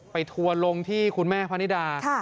ทัวร์ลงที่คุณแม่พะนิดา